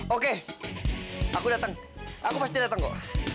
oke aku datang aku pasti datang kok